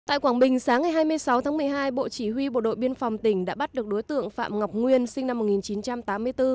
tại quảng bình sáng ngày hai mươi sáu tháng một mươi hai bộ chỉ huy bộ đội biên phòng tỉnh đã bắt được đối tượng phạm ngọc nguyên sinh năm một nghìn chín trăm tám mươi bốn